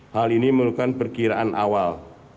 hal ini merupakan perkiraan awal